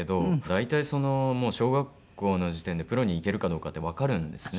大体もう小学校の時点でプロにいけるかどうかってわかるんですね。